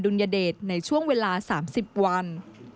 คนอดุลยเดชในช่วงเวลาสามสิบวัน